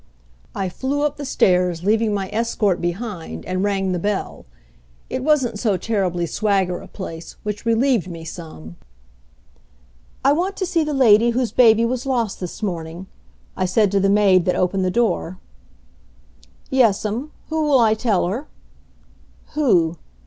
I flew up the stairs, leaving my escort behind, and rang the bell. It wasn't so terribly swagger a place, which relieved me some. "I want to see the lady whose baby was lost this morning," I said to the maid that opened the door. "Yes'm. Who'll I tell her?" Who?